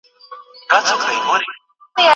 خو دربیږي په سینو کي لکه مات زاړه ډولونه